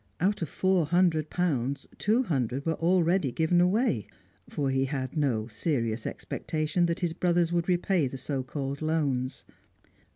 Out of four hundred pounds, two hundred were already given away for he had no serious expectation that his brothers would repay the so called loans.